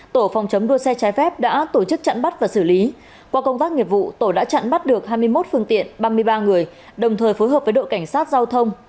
tổ phòng chống đua xe trái phép đã tổ chức chặn bắt và xử lý qua công tác nghiệp vụ tổ đã chặn bắt được hai mươi một phương tiện ba mươi ba người đồng thời phối hợp với đội cảnh sát giao thông